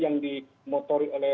yang dimotori oleh